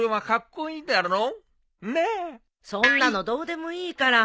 そんなのどうでもいいから。